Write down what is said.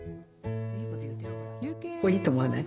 これいいと思わない？